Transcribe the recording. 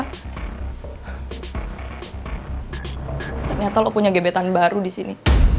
ternyata lo punya gebetan baru di sini